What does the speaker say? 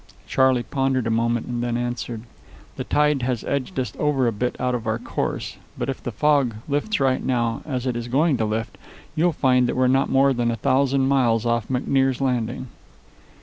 Charley pondered a moment, and then answered, "The tide has edged us over a bit out of our course, but if the fog lifts right now, as it is going to lift, you'll find we're not more than a thousand miles off McNear's Landing."